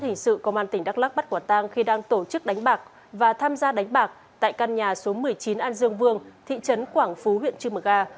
cơ quan cảnh sát điều tra công an tỉnh đắk lắc bắt quả tang khi đang tổ chức đánh bạc và tham gia đánh bạc tại căn nhà số một mươi chín an dương vương thị trấn quảng phú huyện chư mực a